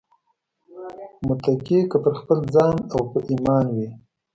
متکي که پر خپل ځان او په ايمان وي